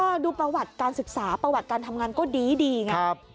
ก็ดูประวัติการศึกษาประวัติการทำงานก็ดีไง